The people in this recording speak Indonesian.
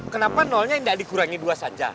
kenapa nolnya tidak dikurangi dua saja